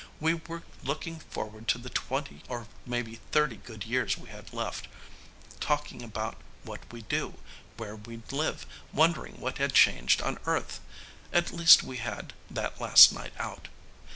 "We were looking forward to the twenty or maybe thirty good years we had left, talking about what we'd do, where we'd live, wondering what had changed on Earth. At least we had that last night out.